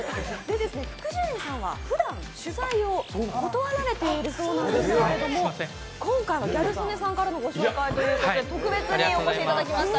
福寿苑さんはふだん取材を断られているそうなんですけど今回はギャル曽根さんからのご紹介ということで特別にお越しいただきました。